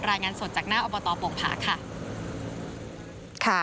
รายงานสดจากหน้าอบตโป่งผาค่ะ